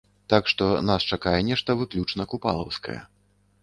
Так што нас чакае нешта выключна купалаўскае.